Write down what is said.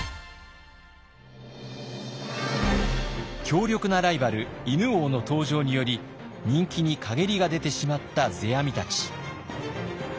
強力なライバル犬王の登場により人気に陰りが出てしまった世阿弥たち。